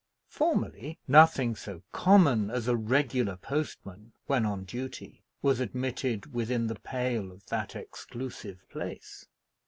Formerly, nothing so common as a regular postman, when on duty, was admitted within the pale of that exclusive place.